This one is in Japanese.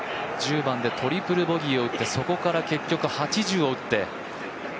１０番でトリプルボギーを打ってそこから結局８０を打って。